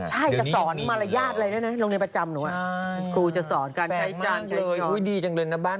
แล้วมีอะไรเราก็จะคุยกันบนโต๊ะอาหาร